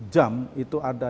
jam itu ada